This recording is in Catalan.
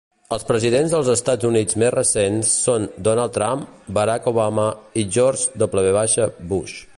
Els presidents dels Estats Units més recents són Donald Trump, Barack Obama i George W. Bush.